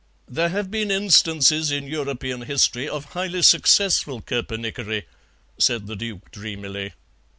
"There have been instances in European history of highly successful koepenickery," said the Duke dreamily.